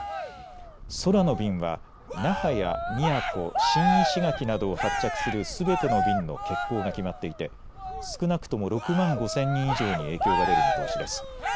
空の便は那覇や宮古、新石垣などを発着するすべての便の欠航が決まっていて少なくとも６万５０００人以上に影響が出る見通しです。